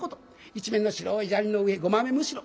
一面の白い砂利の上ごまめむしろ。